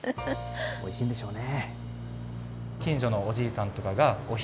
おいしいんでしょうね。